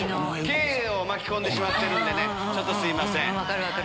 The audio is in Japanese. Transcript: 毛を巻き込んでしまってるんでねちょっとすいません。